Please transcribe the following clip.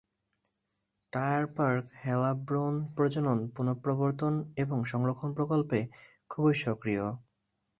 Tierpark হেলাব্রুন প্রজনন, পুনঃপ্রবর্তন এবং সংরক্ষণ প্রকল্পে খুবই সক্রিয়।